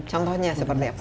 contohnya seperti apa